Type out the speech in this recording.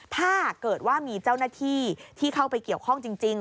ถ้าเกิดว่ามีเจ้าหน้าที่ที่เข้าไปเกี่ยวข้องจริง